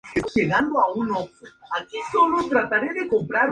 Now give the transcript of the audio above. En el cargo, encabezó las negociaciones sobre el problema del endeudamiento externo.